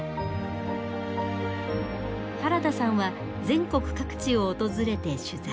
原田さんは全国各地を訪れて取材。